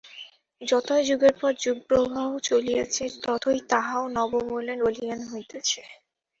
যতই যুগের পর যুগপ্রবাহ চলিয়াছে, ততই তাহাও নব বলে বলীয়ান হইতেছে।